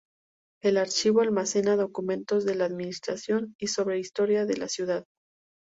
El archivo almacena documentos de la administración y sobre la historia de la ciudad.